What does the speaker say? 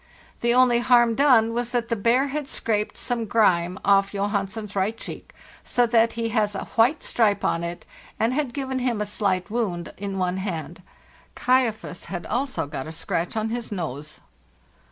The only harm done was that the bear had scraped some grime off Johansen's right cheek, so that he has a white stripe on it, and had given him a slight wound in one hand; ' Kaifas' had also got a scratch on his nose.